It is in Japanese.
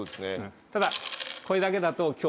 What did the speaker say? ただこれだけだと今日は。